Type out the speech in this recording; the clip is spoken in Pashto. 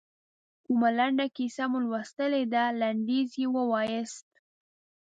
کومه لنډه کیسه مو لوستلې ده لنډیز یې ووایاست.